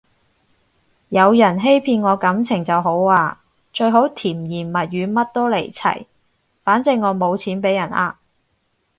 有人欺騙我感情就好啊，最好甜言蜜語乜都嚟齊，反正我冇錢畀人呃